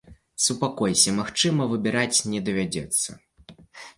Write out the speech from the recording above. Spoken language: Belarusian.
Супакойся, магчыма, выбіраць не давядзецца!